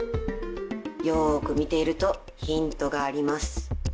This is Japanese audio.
よく見ているとヒントがあります。